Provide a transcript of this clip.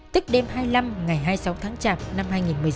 tức đêm hai mươi năm ngày hai mươi sáu tháng chạp năm hai nghìn một mươi sáu